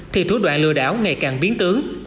thì thủ đoạn lừa đảo ngày càng biến tướng